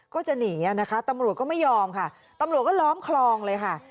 ก็จะหนีนะคะตำรวจก็ไม่ยอมค่ะตำรวจก็ล้อมคลองเลยค่ะ